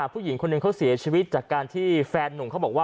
ผู้หญิงคนหนึ่งเขาเสียชีวิตจากการที่แฟนหนุ่มเขาบอกว่า